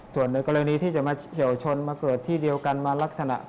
ส่วนในกรณีที่จะเฉี่ยวชนเกิดที่กันมาเป็นลักษณะ